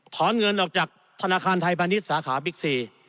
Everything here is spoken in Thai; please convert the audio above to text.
ถอนเงินออกจากธนาคารไทยพาณิชย์สาขาบิ๊กซี